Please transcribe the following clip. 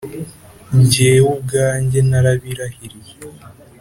jyewe ubwanjye, narabirahiriye,